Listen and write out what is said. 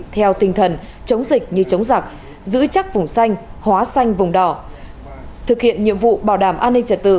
theo tinh thần chống dịch như chống giặc giữ chắc vùng xanh hóa xanh vùng đỏ thực hiện nhiệm vụ bảo đảm an ninh trật tự